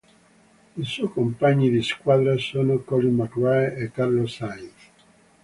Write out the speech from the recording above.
I suoi compagni di squadra sono Colin McRae e Carlos Sainz.